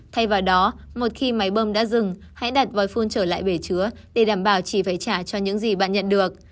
thay vào đó một khi máy bơm đã dừng hãy đặt vòi phun trở lại bể chứa để đảm bảo chỉ phải trả cho những gì bạn nhận được